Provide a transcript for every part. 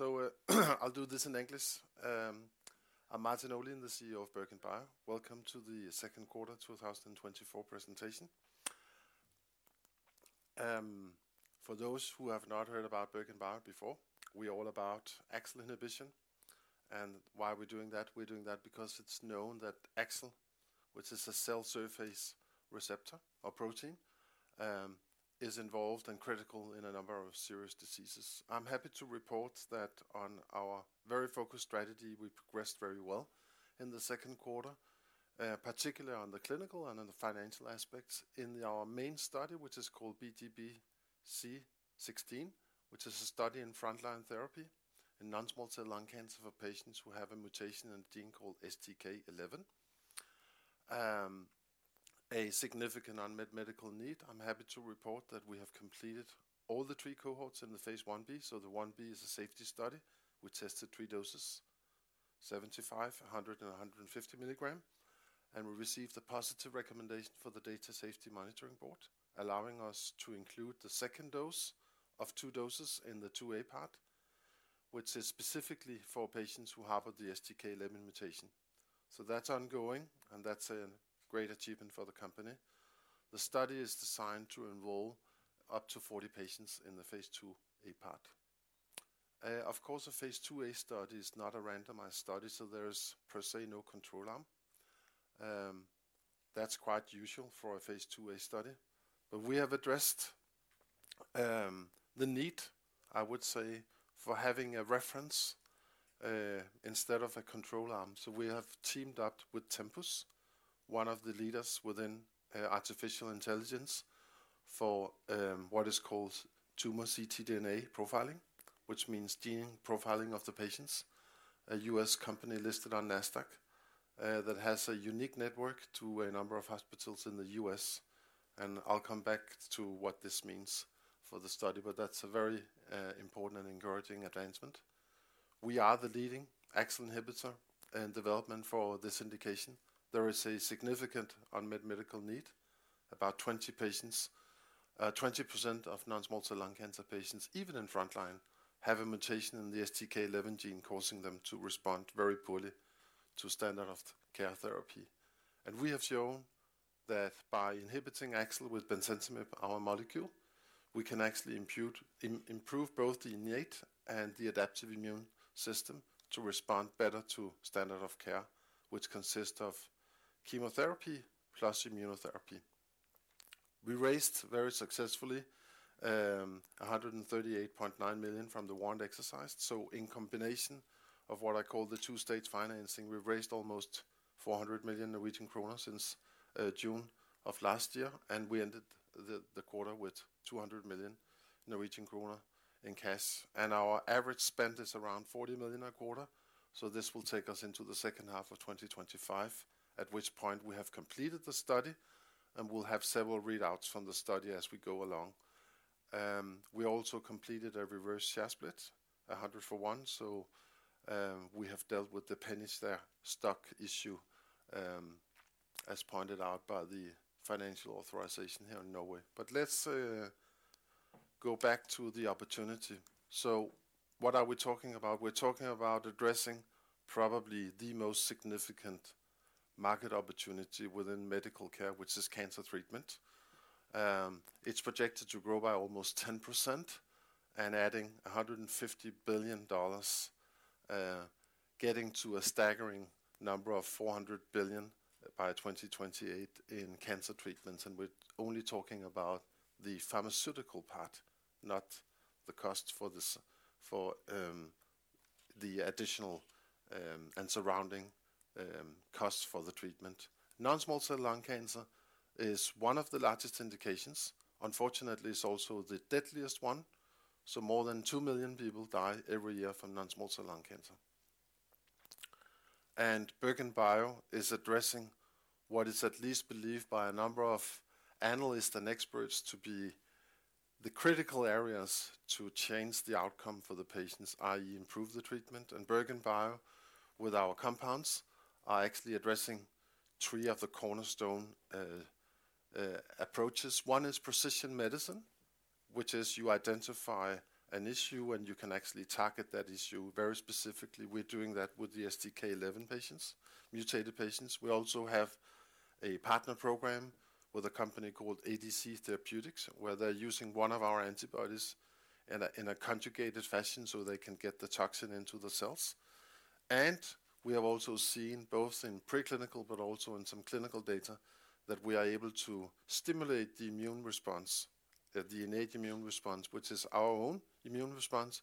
I'll do this in English. I'm Martin Olin, the CEO of BerGenBio. Welcome to the Second Quarter 2024 presentation. For those who have not heard about BerGenBio before, we're all about AXL inhibition. Why are we doing that? We're doing that because it's known that AXL, which is a cell surface receptor or protein, is involved and critical in a number of serious diseases. I'm happy to report that on our very focused strategy, we progressed very well in the second quarter, particularly on the clinical and on the financial aspects. In our main study, which is called BGBC016, which is a study in frontline therapy in non-small cell lung cancer for patients who have a mutation in a gene called STK11, a significant unmet medical need. I'm happy to report that we have completed all three cohorts in the phase I-B, so the I-B is a safety study. We tested three doses, 75, 100, and 150 milligrams, and we received a positive recommendation for the Data Safety Monitoring Board, allowing us to include the second dose of two doses in the II-A part, which is specifically for patients who harbor the STK11 mutation. That's ongoing, and that's a great achievement for the company. The study is designed to enroll up to 40 patients in the phase II-A part. Of course, a phase II-A study is not a randomized study, so there is, per se, no control arm. That's quite usual for a phase 2a study, but we have addressed the need, I would say, for having a reference instead of a control arm. So we have teamed up with Tempus, one of the leaders within artificial intelligence, for what is called tumor ctDNA profiling, which means gene profiling of the patients. A U.S. company listed on Nasdaq that has a unique network to a number of hospitals in the U.S., and I'll come back to what this means for the study, but that's a very important and encouraging advancement. We are the leading AXL inhibitor in development for this indication. There is a significant unmet medical need. About 20 patients... 20% of non-small cell lung cancer patients, even in frontline, have a mutation in the STK11 gene, causing them to respond very poorly to standard of care therapy. And we have shown that by inhibiting AXL with bemcentinib, our molecule, we can actually improve both the innate and the adaptive immune system to respond better to standard of care, which consists of chemotherapy plus immunotherapy. We raised very successfully 138.9 million from the warrant exercise. So in combination of what I call the two-stage financing, we've raised almost 400 million Norwegian kroner since June of last year, and we ended the quarter with 200 million Norwegian kroner in cash. Our average spend is around 40 million a quarter, so this will take us into the second half of 2025, at which point we have completed the study, and we'll have several readouts from the study as we go along. We also completed a reverse share split, 100 for 1, so we have dealt with the pennies there, stock issue, as pointed out by the financial authorization here in Norway. But let's go back to the opportunity. So what are we talking about? We're talking about addressing probably the most significant market opportunity within medical care, which is cancer treatment. It's projected to grow by almost 10% and adding $150 billion, getting to a staggering number of $400 billion by 2028 in cancer treatments. We're only talking about the pharmaceutical part, not the cost for the additional and surrounding costs for the treatment. Non-small cell lung cancer is one of the largest indications. Unfortunately, it's also the deadliest one, so more than two million people die every year from non-small cell lung cancer. BerGenBio is addressing what is at least believed by a number of analysts and experts to be the critical areas to change the outcome for the patients, i.e., improve the treatment. BerGenBio, with our compounds, are actually addressing three of the cornerstone approaches. One is precision medicine, which is you identify an issue, and you can actually target that issue very specifically. We're doing that with the STK11 patients, mutated patients. We also have a partner program with a company called ADC Therapeutics, where they're using one of our antibodies in a conjugated fashion, so they can get the toxin into the cells. And we have also seen, both in preclinical but also in some clinical data, that we are able to stimulate the immune response, the innate immune response, which is our own immune response,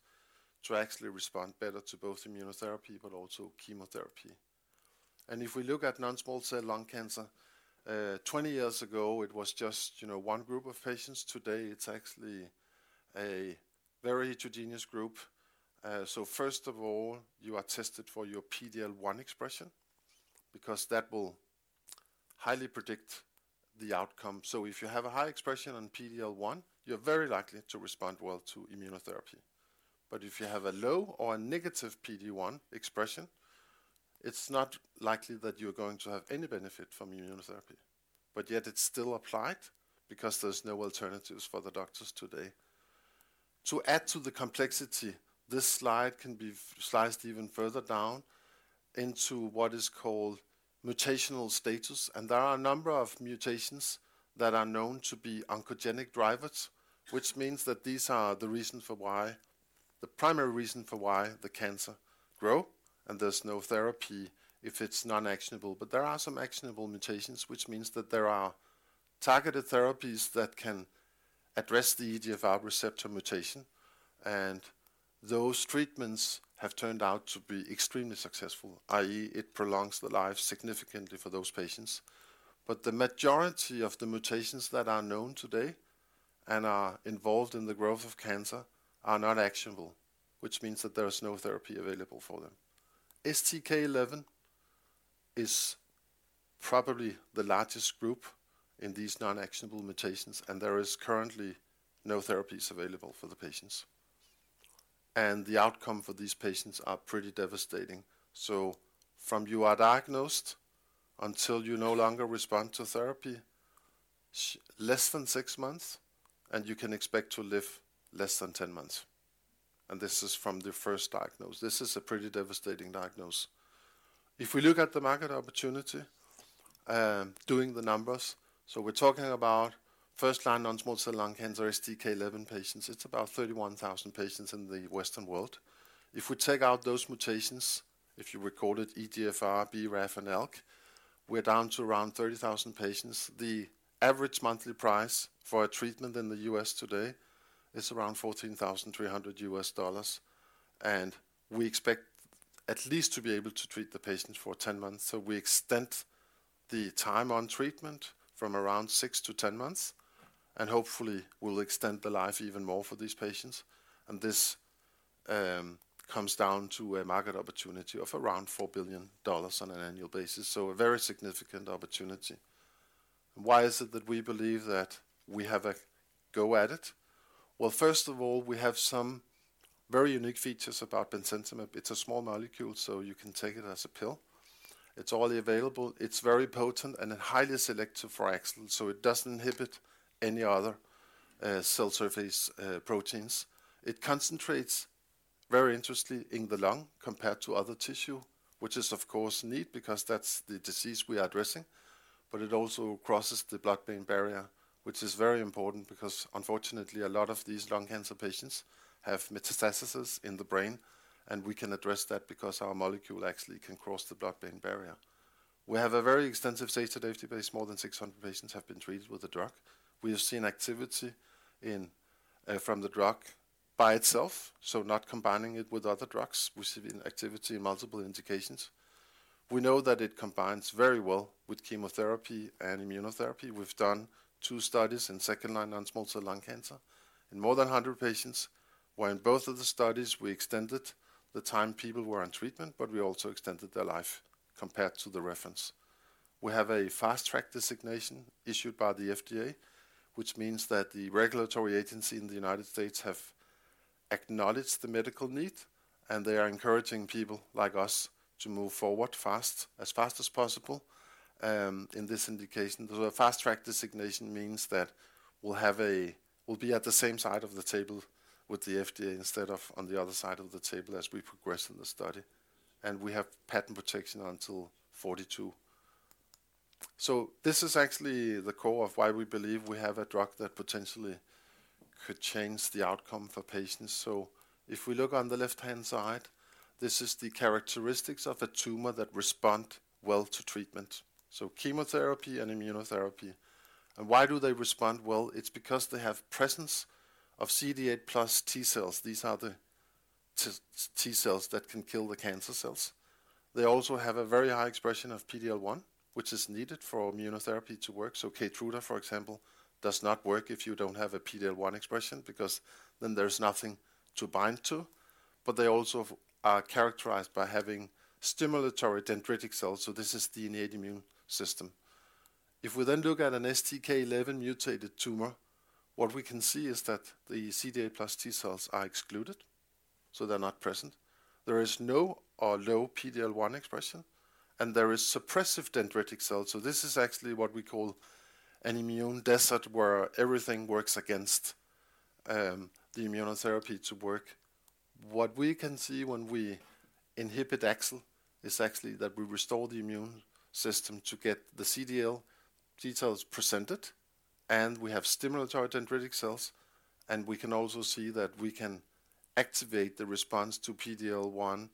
to actually respond better to both immunotherapy but also chemotherapy. And if we look at non-small cell lung cancer, 20 years ago, it was just, you know, one group of patients. Today, it's actually a very heterogeneous group. So first of all, you are tested for your PDL-1 expression because that will highly predict the outcome. So if you have a high expression on PDL-1, you're very likely to respond well to immunotherapy. But if you have a low or a negative PD-1 expression, it's not likely that you're going to have any benefit from immunotherapy, but yet it's still applied because there's no alternatives for the doctors today. To add to the complexity, this slide can be sliced even further down into what is called mutational status, and there are a number of mutations that are known to be oncogenic drivers, which means that these are the primary reason for why the cancer grow, and there's no therapy if it's non-actionable. But there are some actionable mutations, which means that there are targeted therapies that can address the EGFR receptor mutation, and those treatments have turned out to be extremely successful, i.e., it prolongs the life significantly for those patients. But the majority of the mutations that are known today and are involved in the growth of cancer are not actionable, which means that there is no therapy available for them. STK11 is probably the largest group in these non-actionable mutations, and there is currently no therapies available for the patients, and the outcome for these patients are pretty devastating. So from you are diagnosed until you no longer respond to therapy, less than six months, and you can expect to live less than ten months, and this is from the first diagnosis. This is a pretty devastating diagnosis. If we look at the market opportunity, doing the numbers, so we're talking about first-line non-small cell lung cancer STK11 patients. It's about thirty-one thousand patients in the Western world. If we take out those mutations, if you recall it, EGFR, BRAF, and ALK, we're down to around 30,000 patients. The average monthly price for a treatment in the U.S. today is around $14,300, and we expect at least to be able to treat the patients for 10 months. So we extend the time on treatment from around 6 to 10 months, and hopefully, we'll extend the life even more for these patients. And this comes down to a market opportunity of around $4 billion on an annual basis, so a very significant opportunity. Why is it that we believe that we have a go at it? Well, first of all, we have some very unique features about bemcentinib. It's a small molecule, so you can take it as a pill. It's orally available, it's very potent and highly selective for AXL, so it doesn't inhibit any other, cell surface, proteins. It concentrates very interestingly in the lung compared to other tissue, which is of course, neat because that's the disease we are addressing. But it also crosses the blood-brain barrier, which is very important because, unfortunately, a lot of these lung cancer patients have metastases in the brain, and we can address that because our molecule actually can cross the blood-brain barrier. We have a very extensive safety database. More than 600 patients have been treated with the drug. We have seen activity in, from the drug by itself, so not combining it with other drugs. We've seen activity in multiple indications. We know that it combines very well with chemotherapy and immunotherapy. We've done two studies in second-line non-small cell lung cancer. In more than a hundred patients, where in both of the studies, we extended the time people were on treatment, but we also extended their life compared to the reference. We have a Fast Track designation issued by the FDA, which means that the regulatory agency in the United States have acknowledged the medical need, and they are encouraging people like us to move forward fast, as fast as possible, in this indication. So a Fast Track designation means that we'll be at the same side of the table with the FDA instead of on the other side of the table as we progress in the study, and we have patent protection until 2042. So this is actually the core of why we believe we have a drug that potentially could change the outcome for patients. If we look on the left-hand side, this is the characteristics of a tumor that respond well to treatment, so chemotherapy and immunotherapy. Why do they respond well? It's because they have presence of CD8+ T-cells. These are the T-cells that can kill the cancer cells. They also have a very high expression of PD-L1, which is needed for immunotherapy to work. Keytruda, for example, does not work if you don't have a PD-L1 expression, because then there's nothing to bind to. They also are characterized by having stimulatory dendritic cells, so this is the innate immune system. If we then look at an STK11 mutated tumor, what we can see is that the CD8+ T-cells are excluded, so they're not present. There is no or low PD-L1 expression, and there is suppressive dendritic cells. So this is actually what we call an immune desert, where everything works against the immunotherapy to work. What we can see when we inhibit AXL is actually that we restore the immune system to get the CD8+ T-cells presented, and we have stimulatory dendritic cells, and we can also see that we can activate the response to PD-L1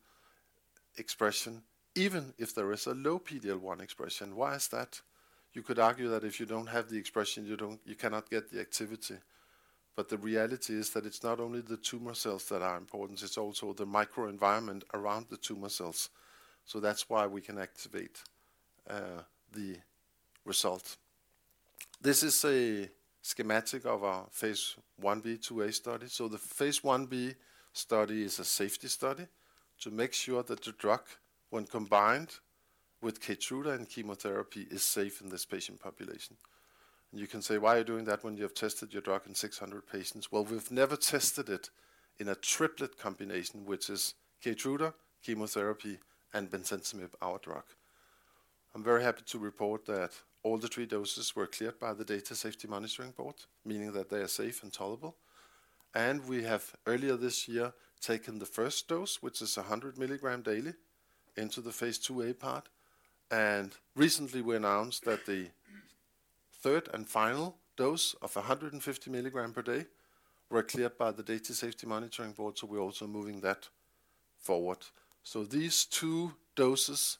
expression, even if there is a low PD-L1 expression. Why is that? You could argue that if you don't have the expression, you don't-- you cannot get the activity. But the reality is that it's not only the tumor cells that are important, it's also the microenvironment around the tumor cells. So that's why we can activate the result. This is a schematic of our phase I-B, II-A study. The phase I-B study is a safety study to make sure that the drug, when combined with Keytruda and chemotherapy, is safe in this patient population. You can say, "Why are you doing that when you have tested your drug in 600 patients?" We've never tested it in a triplet combination, which is Keytruda, chemotherapy, and bemcentinib, our drug. I'm very happy to report that all three doses were cleared by the Data Safety Monitoring Board, meaning that they are safe and tolerable. We have, earlier this year, taken the first dose, which is 100 milligrams daily, into the phase II-A part. Recently, we announced that the third and final dose of 150 milligrams per day were cleared by the Data Safety Monitoring Board, so we're also moving that forward. These two doses,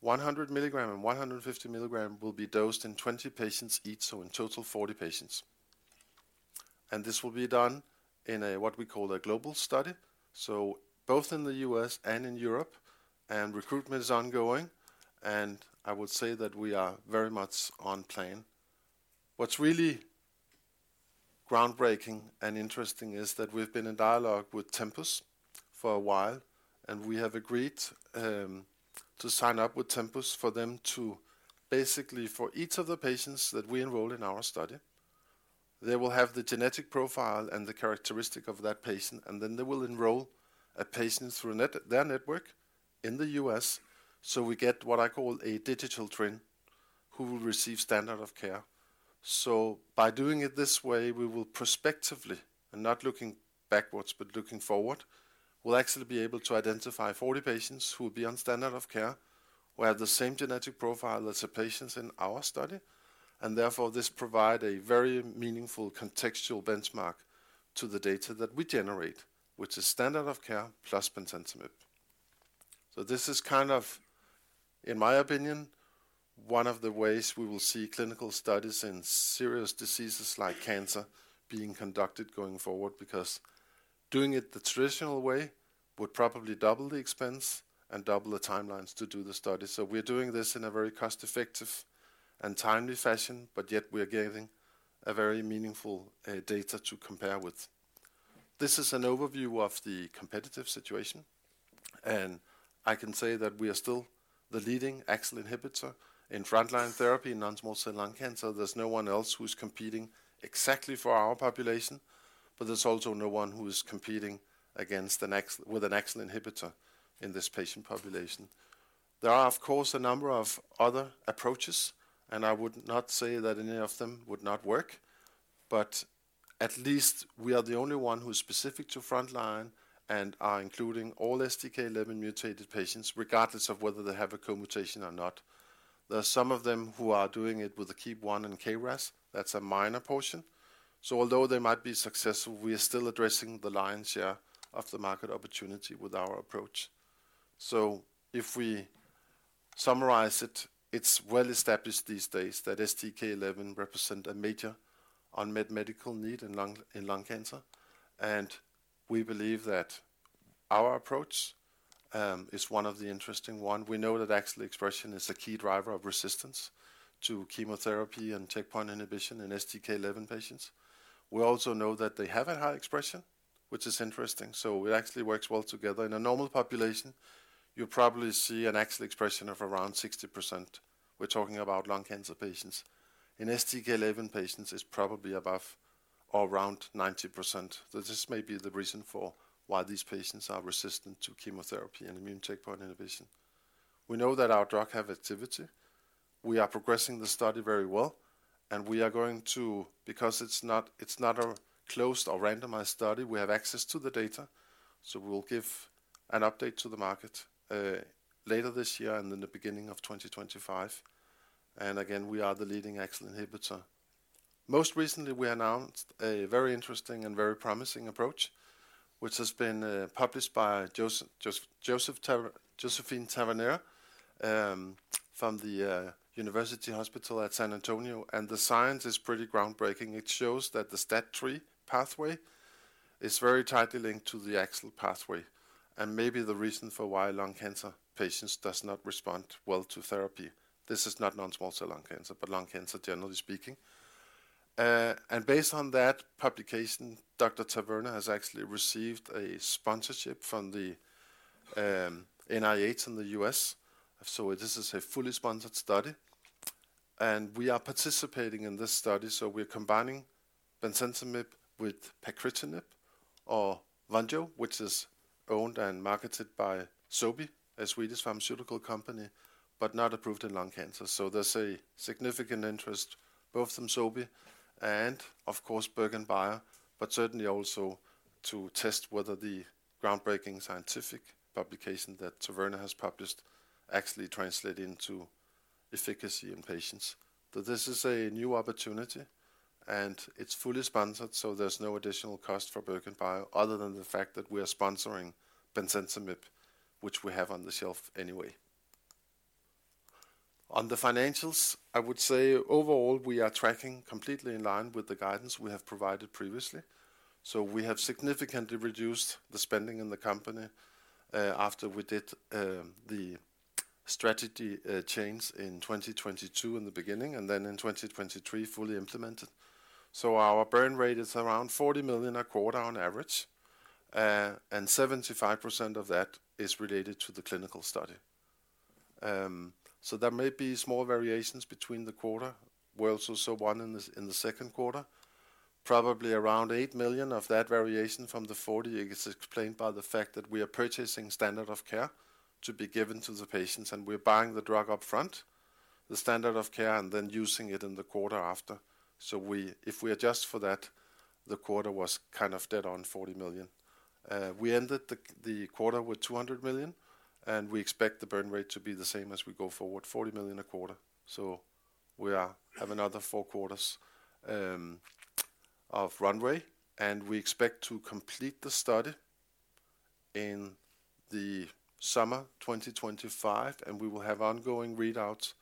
100 milligram and 150 milligram, will be dosed in 20 patients each, so in total, 40 patients. This will be done in a, what we call a global study, so both in the U.S. and in Europe, and recruitment is ongoing, and I would say that we are very much on plan. What's really groundbreaking and interesting is that we've been in dialogue with Tempus for a while, and we have agreed to sign up with Tempus for them to basically, for each of the patients that we enroll in our study, they will have the genetic profile and the characteristic of that patient, and then they will enroll a patient through their network in the U.S. So we get what I call a digital twin, who will receive standard of care. So by doing it this way, we will prospectively, and not looking backwards but looking forward, we'll actually be able to identify forty patients who will be on standard of care, who have the same genetic profile as the patients in our study. And therefore, this provide a very meaningful contextual benchmark to the data that we generate, which is standard of care plus bemcentinib. So this is kind of, in my opinion, one of the ways we will see clinical studies in serious diseases like cancer being conducted going forward, because doing it the traditional way would probably double the expense and double the timelines to do the study. So we're doing this in a very cost-effective and timely fashion, but yet we are gaining a very meaningful data to compare with. This is an overview of the competitive situation, and I can say that we are still the leading AXL inhibitor in frontline therapy in non-small cell lung cancer. There's no one else who's competing exactly for our population, but there's also no one who is competing against an AXL with an AXL inhibitor in this patient population. There are, of course, a number of other approaches, and I would not say that any of them would not work, but at least we are the only one who is specific to frontline and are including all STK11-mutated patients, regardless of whether they have a co-mutation or not. There are some of them who are doing it with the KEAP1 and KRAS. That's a minor portion. So although they might be successful, we are still addressing the lion's share of the market opportunity with our approach. So if we summarize it, it's well established these days that STK11 represent a major unmet medical need in lung, in lung cancer, and we believe that our approach is one of the interesting one. We know that AXL expression is a key driver of resistance to chemotherapy and checkpoint inhibition in STK11 patients. We also know that they have a high expression, which is interesting, so it actually works well together. In a normal population, you probably see an AXL expression of around 60%. We're talking about lung cancer patients. In STK11 patients, it's probably above or around 90%. So this may be the reason for why these patients are resistant to chemotherapy and immune checkpoint inhibition. We know that our drug have activity. We are progressing the study very well, and we are going to... Because it's not a closed or randomized study, we have access to the data, so we will give an update to the market later this year and in the beginning of 2025. And again, we are the leading AXL inhibitor. Most recently, we announced a very interesting and very promising approach, which has been published by Josephine Taverna from the University Hospital at San Antonio, and the science is pretty groundbreaking. It shows that the STAT3 pathway is very tightly linked to the AXL pathway, and may be the reason for why lung cancer patients does not respond well to therapy. This is not non-small cell lung cancer, but lung cancer, generally speaking. And based on that publication, Dr. Taverna has actually received a sponsorship from the NIH in the US, so this is a fully sponsored study, and we are participating in this study. So we're combining bemcentinib with pacritinib, or Vonjo, which is owned and marketed by Sobi, a Swedish pharmaceutical company, but not approved in lung cancer. So there's a significant interest both from Sobi and, of course, BerGenBio, but certainly also to test whether the groundbreaking scientific publication that Taverna has published actually translate into efficacy in patients. So this is a new opportunity, and it's fully sponsored, so there's no additional cost for BerGenBio, other than the fact that we are sponsoring bemcentinib, which we have on the shelf anyway. On the financials, I would say overall, we are tracking completely in line with the guidance we have provided previously. We have significantly reduced the spending in the company after we did the strategy change in 2022 in the beginning, and then in 2023, fully implemented. Our burn rate is around 40 million a quarter on average, and 75% of that is related to the clinical study. So there may be small variations between the quarter. We also saw one in the second quarter, probably around 8 million of that variation from the 40 is explained by the fact that we are purchasing standard of care to be given to the patients, and we're buying the drug up front, the standard of care, and then using it in the quarter after. If we adjust for that, the quarter was kind of dead on 40 million. We ended the quarter with 200 million, and we expect the burn rate to be the same as we go forward, 40 million a quarter. So we have another four quarters of runway, and we expect to complete the study in the summer 2025, and we will have ongoing readouts.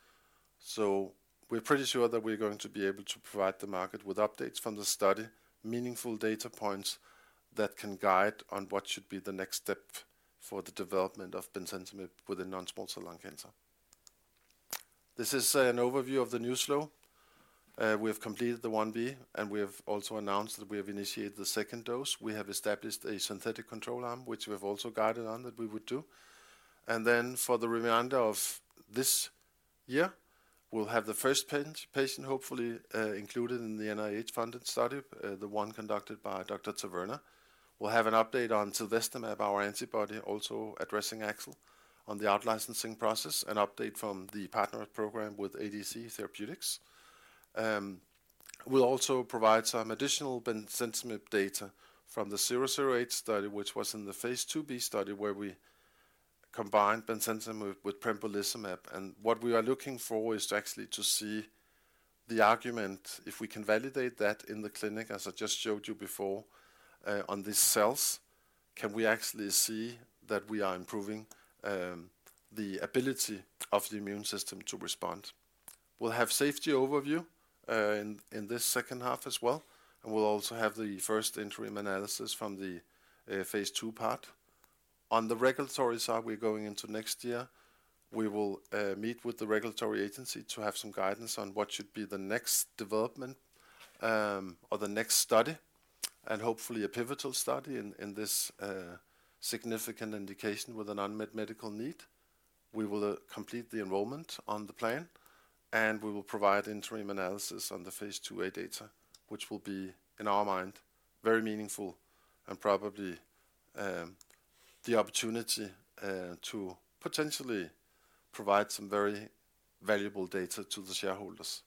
So we're pretty sure that we're going to be able to provide the market with updates from the study, meaningful data points that can guide on what should be the next step for the development of bemcentinib with non-small cell lung cancer. This is an overview of the news flow. We have completed the 1b, and we have also announced that we have initiated the second dose. We have established a synthetic control arm, which we have also guided on, that we would do. And then for the remainder of this year, we'll have the first patient hopefully included in the NIH-funded study, the one conducted by Dr. Taverna. We'll have an update on tilvestamab, our antibody, also addressing AXL on the out-licensing process, an update from the partner program with ADC Therapeutics. We'll also provide some additional bemcentinib data from the 008 study, which was in the phase II-B study, where we combined bemcentinib with pembrolizumab. And what we are looking for is to actually see the argument, if we can validate that in the clinic, as I just showed you before, on these cells, can we actually see that we are improving the ability of the immune system to respond? We'll have safety overview in this second half as well, and we'll also have the first interim analysis from the phase II part. On the regulatory side, we're going into next year. We will meet with the regulatory agency to have some guidance on what should be the next development or the next study, and hopefully a pivotal study in this significant indication with an unmet medical need. We will complete the enrollment on the plan, and we will provide interim analysis on the phase II-A data, which will be, in our mind, very meaningful and probably the opportunity to potentially provide some very valuable data to the shareholders.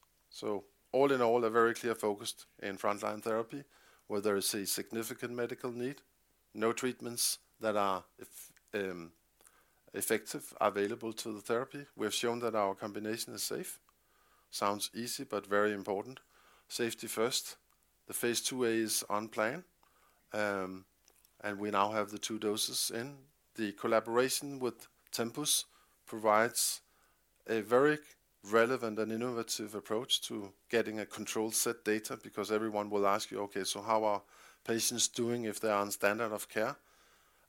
All in all, a very clear focus in frontline therapy, where there is a significant medical need, no treatments that are effective available to the therapy. We have shown that our combination is safe. Sounds easy, but very important. Safety first. The phase II-A is on plan, and we now have the two doses in. The collaboration with Tempus provides a very relevant and innovative approach to getting a control set data, because everyone will ask you, "Okay, so how are patients doing if they are on standard of care?"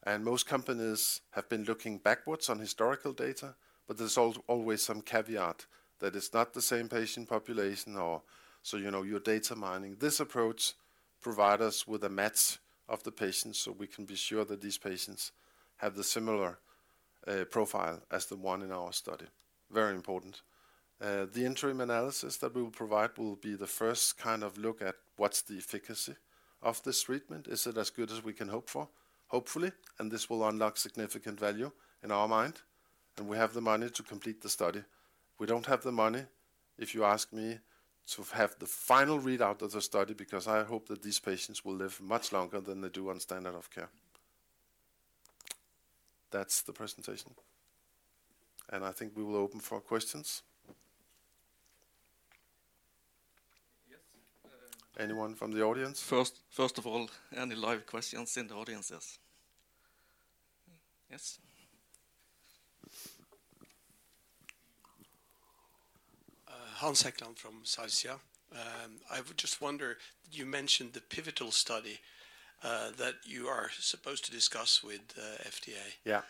And most companies have been looking backwards on historical data, but there's always some caveat that it's not the same patient population or so, you know, you're data mining. This approach provide us with a match of the patients, so we can be sure that these patients have the similar, profile as the one in our study. Very important. The interim analysis that we will provide will be the first kind of look at what's the efficacy of this treatment. Is it as good as we can hope for? Hopefully, and this will unlock significant value in our mind, and we have the money to complete the study. We don't have the money, if you ask me, to have the final readout of the study, because I hope that these patients will live much longer than they do on standard of care. That's the presentation, and I think we will open for questions. Yes, uh- Anyone from the audience? First of all, any live questions in the audiences? Yes. Hans Hekland from Sarsia. I would just wonder, you mentioned the pivotal study that you are supposed to discuss with FDA. Yeah.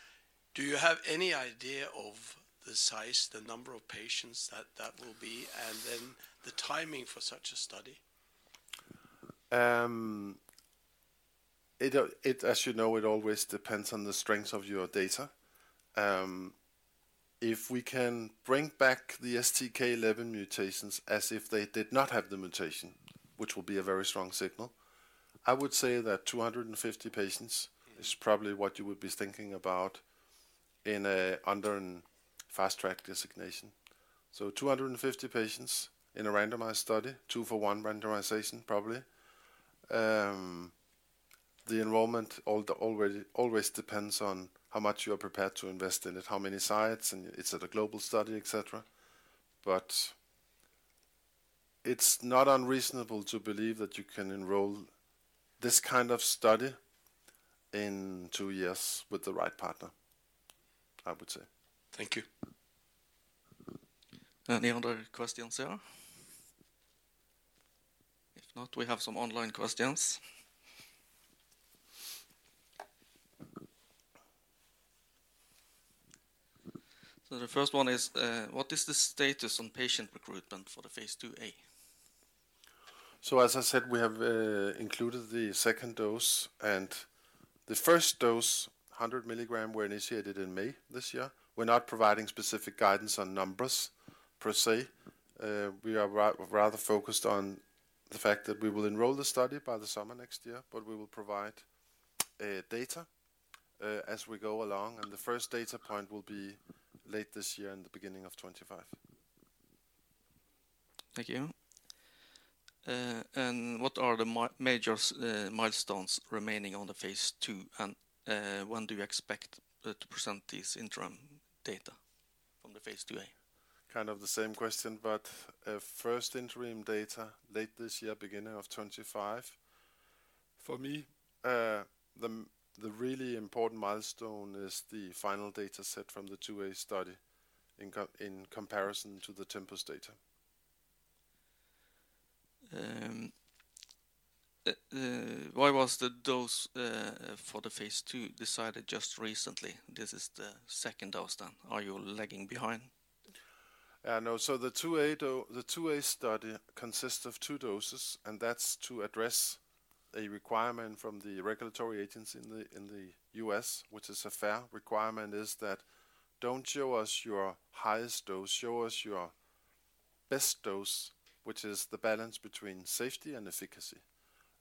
Do you have any idea of the size, the number of patients that will be, and then the timing for such a study? It, as you know, it always depends on the strength of your data. If we can bring back the STK11 mutations as if they did not have the mutation, which will be a very strong signal, I would say that 250 patients- Mm. - is probably what you would be thinking about in a, under a Fast Track designation. So 250 patients in a randomized study, 2-for-1 randomization, probably. The enrollment already always depends on how much you are prepared to invest in it, how many sites, and is it a global study, et cetera. But it's not unreasonable to believe that you can enroll this kind of study in 2 years with the right partner, I would say. Thank you. Any other questions there? If not, we have some online questions... So the first one is, what is the status on patient recruitment for the phase II-A? As I said, we have included the second dose, and the first dose, 100 milligram, were initiated in May this year. We're not providing specific guidance on numbers per se. We are rather focused on the fact that we will enroll the study by the summer next year, but we will provide data as we go along, and the first data point will be late this year in the beginning of 2025. Thank you. And what are the major milestones remaining on the phase II, and when do you expect to present this interim data from the phase II-A? Kind of the same question, but first interim data, late this year, beginning of 2025. For me, the really important milestone is the final data set from the 2a study in comparison to the Tempus data. Why was the dose for the phase II decided just recently? This is the second dose then. Are you lagging behind? No. So the 2a study consists of two doses, and that's to address a requirement from the regulatory agency in the US, which is a fair requirement: "Don't show us your highest dose, show us your best dose, which is the balance between safety and efficacy."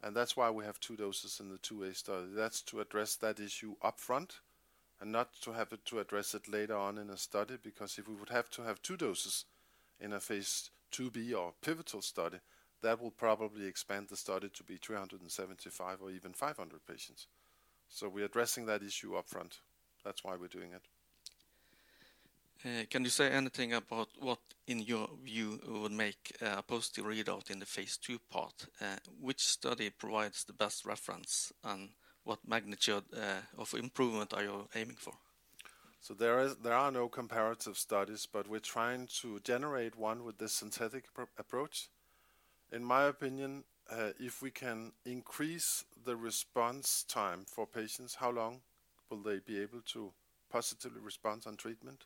And that's why we have two doses in the 2a study. That's to address that issue upfront and not to have it to address it later on in a study, because if we would have to have two doses in a phase II-B or pivotal study, that will probably expand the study to be three hundred and seventy-five or even five hundred patients. So we're addressing that issue upfront. That's why we're doing it. Can you say anything about what, in your view, would make a positive readout in the phase II part? Which study provides the best reference, and what magnitude of improvement are you aiming for? There are no comparative studies, but we're trying to generate one with this synthetic approach. In my opinion, if we can increase the response time for patients, how long will they be able to positively respond on treatment?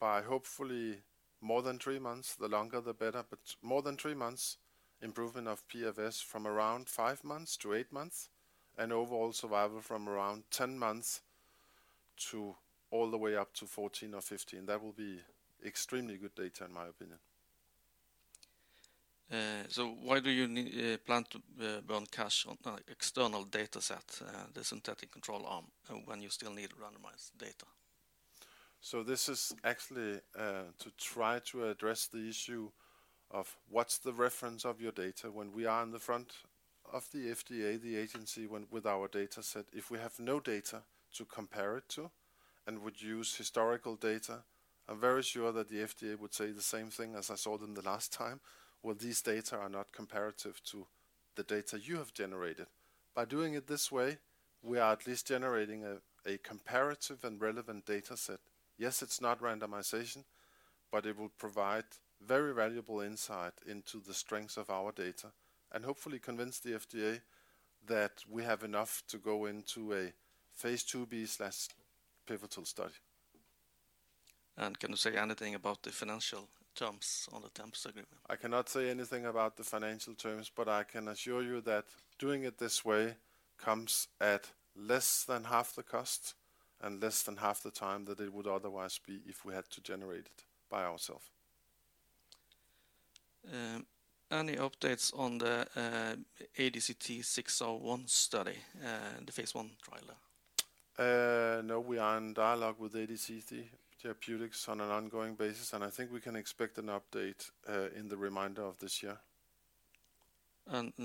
By hopefully more than three months, the longer, the better, but more than three months, improvement of PFS from around five months to eight months, and overall survival from around ten months to all the way up to fourteen or fifteen. That will be extremely good data, in my opinion. So, why do you plan to burn cash on external dataset, the synthetic control arm, when you still need randomized data? So this is actually to try to address the issue of what's the reference of your data when we are in front of the FDA, the agency, with our data set. If we have no data to compare it to and would use historical data, I'm very sure that the FDA would say the same thing as I saw them the last time, "Well, these data are not comparative to the data you have generated." By doing it this way, we are at least generating a comparative and relevant data set. Yes, it's not randomization, but it would provide very valuable insight into the strengths of our data and hopefully convince the FDA that we have enough to go into a phase II-B/pivotal study. Can you say anything about the financial terms on the Tempus agreement? I cannot say anything about the financial terms, but I can assure you that doing it this way comes at less than half the cost and less than half the time that it would otherwise be if we had to generate it by ourselves. Any updates on the ADCT601 study, the phase I trial? No, we are in dialogue with ADC Therapeutics on an ongoing basis, and I think we can expect an update in the remainder of this year.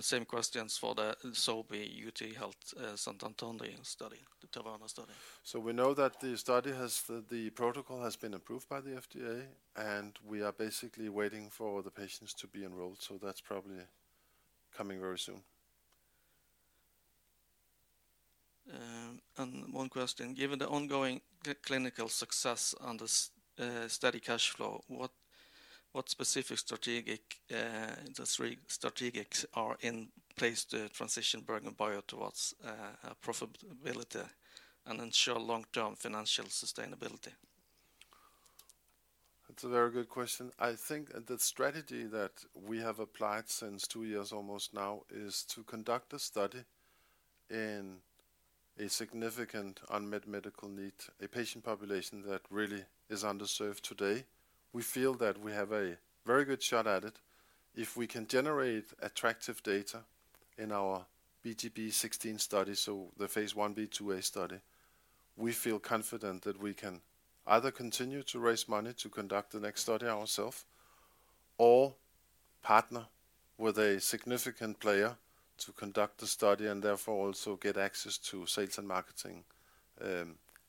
Same questions for the Sobi UT Health San Antonio study, the Taverna study. So we know the protocol has been approved by the FDA, and we are basically waiting for the patients to be enrolled, so that's probably coming very soon. And one question: Given the ongoing clinical success on this, steady cash flow, what specific strategic industry strategies are in place to transition BerGenBio towards profitability and ensure long-term financial sustainability? That's a very good question. I think the strategy that we have applied since two years almost now is to conduct a study in a significant unmet medical need, a patient population that really is underserved today. We feel that we have a very good shot at it. If we can generate attractive data in our BGBC016 study, so the phase I-B/II-A study, we feel confident that we can either continue to raise money to conduct the next study ourselves or partner with a significant player to conduct the study and therefore also get access to sales and marketing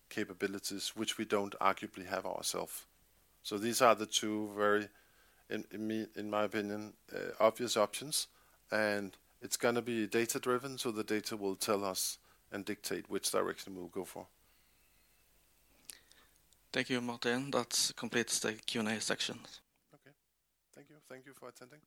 capabilities, which we don't arguably have ourselves. So these are the two very, in my opinion, obvious options, and it's gonna be data-driven, so the data will tell us and dictate which direction we will go for. Thank you, Martin. That completes the Q&A section. Okay. Thank you. Thank you for attending.